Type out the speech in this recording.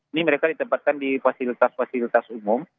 ini mereka ditempatkan di fasilitas fasilitas umum